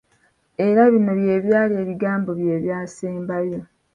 Era bino bye byali ebigambo bye ebyasembayo!